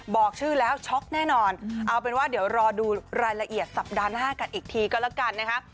บอกชื่อแล้วช็อกแน่นอนเอาเป็นว่าเดี๋ยวรอดูรายละเอียดสัปดาห์หน้ากันอีกทีก็แล้วกันนะคะ